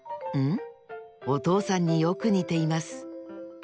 おとうさんによくにています。